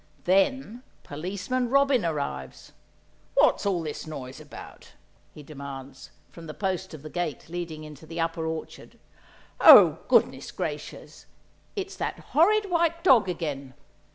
Then policeman robin arrives. "What's all this noise about?" he demands, from the post of the gate leading into the upper orchard. "Oh, good gracious! it's that horrid white dog again!